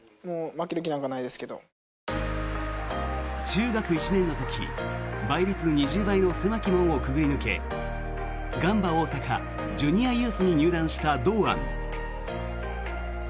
中学１年の時倍率２０倍の狭き門をくぐり抜けガンバ大阪ジュニアユースに入団した堂安。